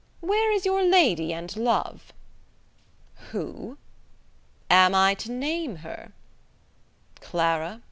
Where is your lady and love?" "Who?" "Am I to name her?" "Clara?